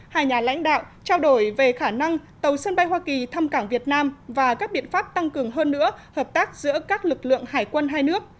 hai nhà lãnh đạo trao đổi về khả năng tàu sân bay hoa kỳ thăm cảng việt nam và các biện pháp tăng cường hơn nữa hợp tác giữa các lực lượng hải quân hai nước